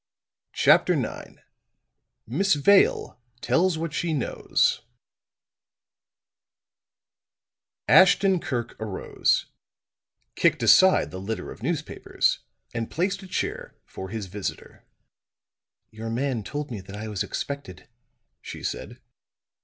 CHAPTER IX MISS VALE TELLS WHAT SHE KNOWS Ashton Kirk arose, kicked aside the litter of newspapers, and placed a chair for his visitor. "Your man told me that I was expected," she said.